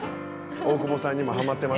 大久保さんにもハマってましたよ。